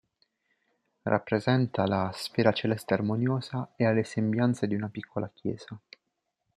Rappresenta la "Sfera celeste armoniosa" e ha le sembianze di una piccola chiesa.